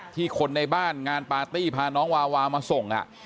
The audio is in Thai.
คนในบ้านงานปาร์ตี้พาน้องวาวามาส่ง